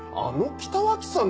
北脇さん。